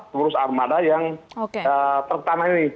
pengurus armada yang pertama ini